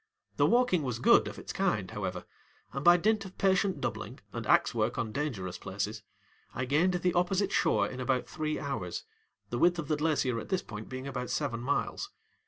The walking was good of its kind, however, and by dint of patient doubling and axe work on dangerous places, I gained the opposite shore in about three hours, the width of the glacier at this point being about seven miles.